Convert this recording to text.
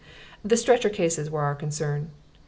The stretcher cases were our concern.